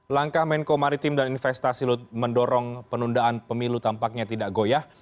langkah menko maritim dan investasi luhut mendorong penundaan pemilu tampaknya tidak goyah